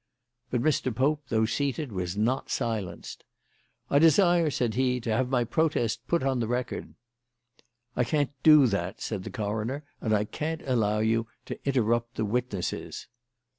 But Mr. Pope, though seated, was not silenced. "I desire," said he, "to have my protest put on record." "I can't do that," said the coroner, "and I can't allow you to interrupt the witnesses."